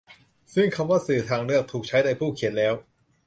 ซึ่งคำว่า 'สื่อทางเลือก' ถูกใช้โดยผู้เขียนแล้ว